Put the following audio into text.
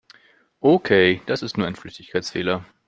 Okay, das ist nur ein Flüchtigkeitsfehler.